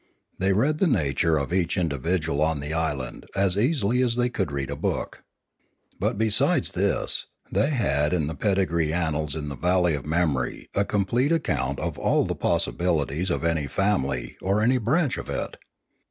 They read the nature of each individual on the island as easily as they could read a book. But besides this they had in the pedi gree annals in the valley of memory a complete account of all the possibilities of any family or any branch of it.